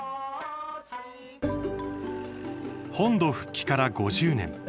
本土復帰から５０年。